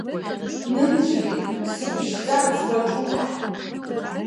Нын џьбит, сыбшьӡарц баҿума?!